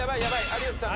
有吉さん